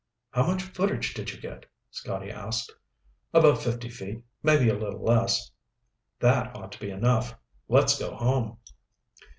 "How much footage did you get?" Scotty asked. "About fifty feet, maybe a little less." "That ought to be enough. Let's go home."